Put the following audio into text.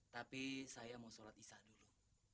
tapi saya mau sholat isyah dulu